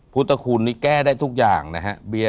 พุทธคุณนี่แก้ได้ทุกอย่างนะฮะ